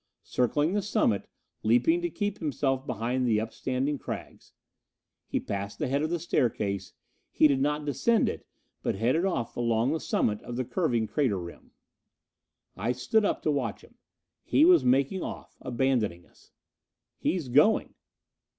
Circling the summit, leaping to keep himself behind the upstanding crags. He passed the head of the staircase; he did not descend it, but headed off along the summit of the curving crater rim. I stood up to watch him. He was making off. Abandoning us! "He's going!"